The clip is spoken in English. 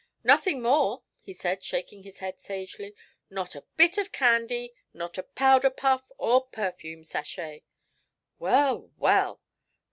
'Nothing more,' he said, shaking his head sagely. 'Not a bit of candy; not a powder puff or perfume sachet. Well, well!